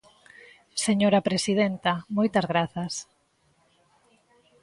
Señora presidenta, moitas grazas.